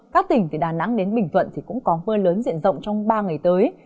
các tỉnh từ đà nẵng đến bình vận cũng có mưa lớn diện rộng trong ba ngày tới